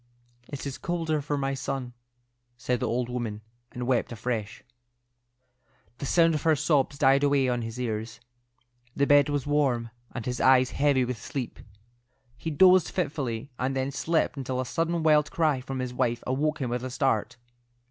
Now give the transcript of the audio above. "It is colder for my son," said the old woman, and wept afresh. The sound of her sobs died away on his ears. The bed was warm, and his eyes heavy with sleep. He dozed fitfully, and then slept until a sudden wild cry from his wife awoke him with a start.